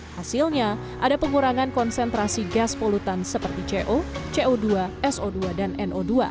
hasilnya ada pengurangan konsentrasi gas polutan seperti co co dua so dua dan no dua